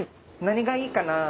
何がいいかな？